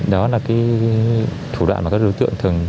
đó là cái thủ đoạn mà các đối tượng thường